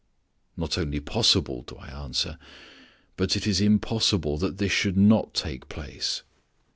Not only possible, do I answer, but it is impossible that this should not take place.